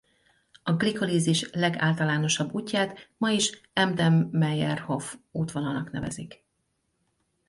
A glikolízis legáltalánosabb útját ma is Embden-Meyerhof útvonalnak nevezik.